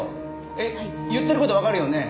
えっ言ってる事わかるよね？